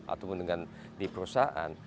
ataupun dengan di perusahaan